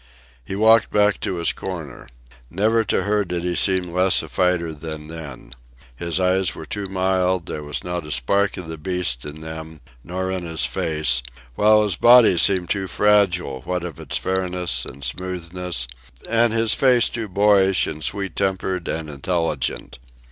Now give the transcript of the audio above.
He walked back to his corner. Never to her did he seem less a fighter than then. His eyes were too mild; there was not a spark of the beast in them, nor in his face, while his body seemed too fragile, what of its fairness and smoothness, and his face too boyish and sweet tempered and intelligent.